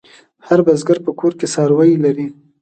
هر بزگر په کور کې څاروي لري.